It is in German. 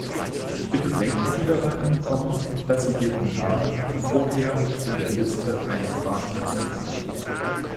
Bitte denken Sie daran, dass Sie Ihren Namen vorher in der Liste eintragen müssen.